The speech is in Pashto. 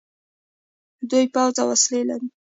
دوی پوځ او وسلې لري.